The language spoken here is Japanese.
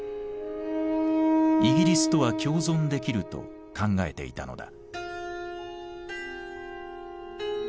イギリスとは共存できると考えていたのだ。